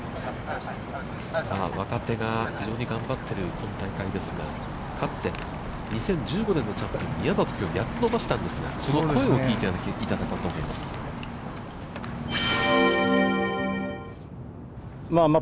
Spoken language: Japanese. さあ若手が非常に頑張ってる今大会ですが、かつて、２０１５年のチャンピオン、宮里、きょう８つ伸ばしたんですが、声を聞いていただこうと思います。